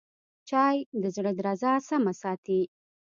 چای د زړه درزا سمه ساتي